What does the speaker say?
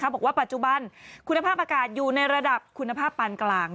บอกว่าปัจจุบันคุณภาพอากาศอยู่ในระดับคุณภาพปานกลาง